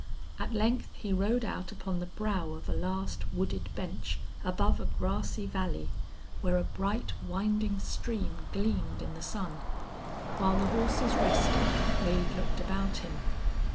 At length he rode out upon the brow of a last wooded bench above a grassy valley, where a bright, winding stream gleamed in the sun. While the horses rested Wade looked about him.